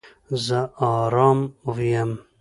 زه آرام یم